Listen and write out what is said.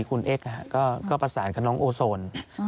คุณเอ็กซ์ก็ประสานกับน้องโอโซน